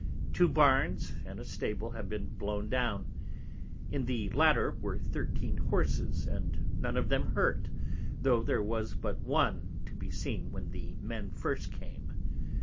Two Barns, and a Stable have been blown down; in the latter were 13 Horses, and none of them hurt, tho' there was but one to be seen when the Men first came.